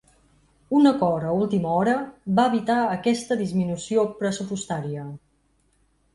Un acord a última hora va evitar aquesta disminució pressupostària.